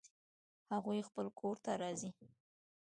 هغوی خپل کور ته راځي